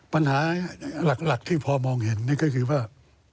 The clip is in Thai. ปัญหาหลักที่พอมองเห็นนี่ก็คือว่า